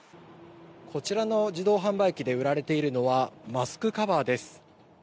こちらの自動販売機で売られているのはマスクカバーです。